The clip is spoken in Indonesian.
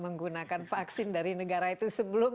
menggunakan vaksin dari negara itu sebelum